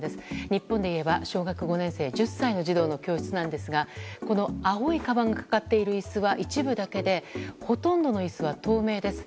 日本でいえば小学５年生１０歳の児童の教室ですがこの青いカバンがかかっている椅子は一部だけでほとんどの椅子は透明です。